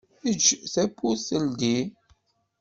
Eǧǧ tawwurt teldi.